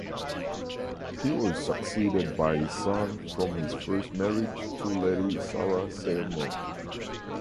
He was succeeded by his son from his first marriage to Lady Sarah Seymour.